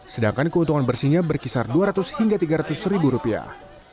sedangkan keuntungan bersihnya berkisar dua ratus hingga tiga ratus ribu rupiah